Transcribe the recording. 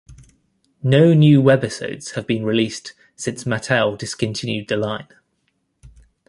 No new webisodes have been released since Mattel discontinued the line.